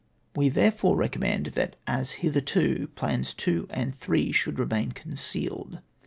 "We therefore recommend that, as hitherto, plans Nos. 2 and 3 sJioald remain concealed.